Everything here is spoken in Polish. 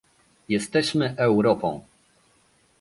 Jesteśmy Europą